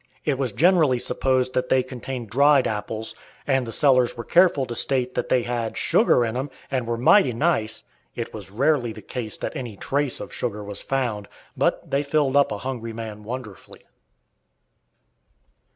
It was generally supposed that they contained dried apples, and the sellers were careful to state that they had "sugar in 'em" and were "mighty nice." It was rarely the case that any "trace" of sugar was found, but they filled up a hungry man wonderfully.